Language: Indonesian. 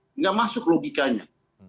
tidak masuk logikanya